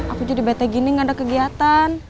aku jadi bt gini gak ada kegiatan